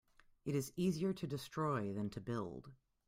It is easier to destroy than to build.